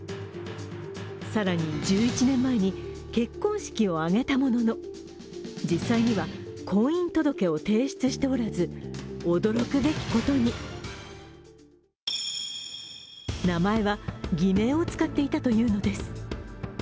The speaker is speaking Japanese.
更に、１１年前に結婚式を挙げたものの実際には婚姻届を提出しておらず、驚くべきことに名前は偽名を使っていたというのです。